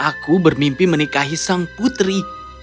aku bermimpi menikahi sang putri